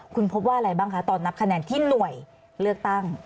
คุณพบว่าอะไรบ้างคะตอนนับคะแนนที่หน่วยเลือกตั้ง